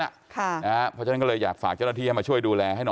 เพราะฉะนั้นก็เลยอยากฝากเจ้าหน้าที่ให้มาช่วยดูแลให้หน่อย